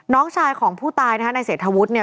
น้องชายของผู้ตายในเศรษฐวุฒิ